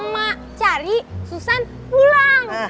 mak cari susah pulang